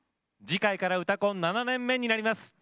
次回から「うたコン」７年目になります。